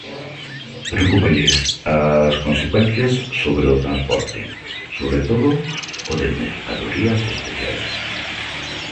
Preocúpalles as consecuencias sobre o transporte, sobre todo o de mercadorías especiais.